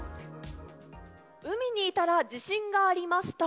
海にいたら地震がありました。